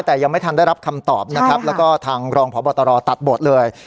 แต่ยังไม่ทันได้รับคำตอบนะครับแล้วก็ทางรองพบตรตัดบทเลย